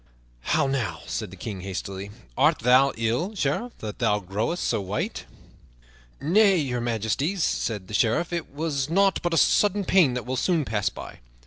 "How now," said the King hastily, "art thou ill, Sheriff, that thou growest so white?" "Nay, Your Majesty," said the Sheriff, "it was nought but a sudden pain that will soon pass by."